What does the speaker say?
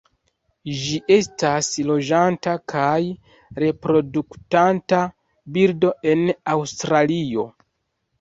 Ĝi estas loĝanta kaj reproduktanta birdo en Aŭstralio.